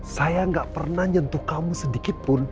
saya gak pernah nyentuh kamu sedikitpun